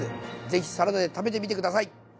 是非サラダで食べてみて下さい。